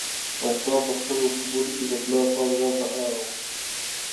ماشوم په خپلو خبرو کې د پلار پام ځان ته اړاوه.